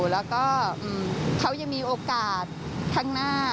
แล้วก็เขายังมีโอกาสข้างหน้า